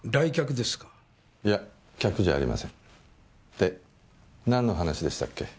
でなんの話でしたっけ？